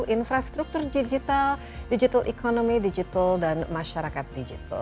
infrastruktur digital digital economy digital dan masyarakat digital